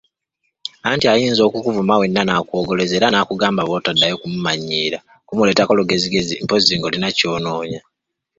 Anti ayinza okukuvuma wenna nakwogoloza era nakugambanga bw'otaddangayo kumumanyiira, kumuleetako lugezigezi, mpozzi ng'olina ky'onoonya?